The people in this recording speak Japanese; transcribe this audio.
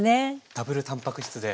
ダブルたんぱく質で。